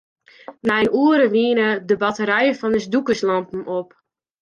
Nei in oere wiene de batterijen fan ús dûkerslampen op.